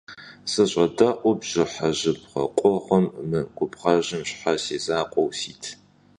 СыщӀэдэӀуу бжьыхьэ жьыбгъэ къугъым, мы губгъуэжьым щхьэ си закъуэу сит?